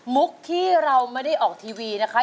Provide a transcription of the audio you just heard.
ที่เราไม่ได้ออกทีวีนะคะ